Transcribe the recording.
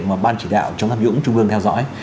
mà ban chỉ đạo chống tham nhũng trung ương theo dõi